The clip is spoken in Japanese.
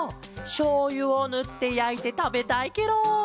しょうゆをぬってやいてたべたいケロ！